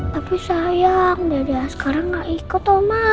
tapi sayang dada askara gak ikut oma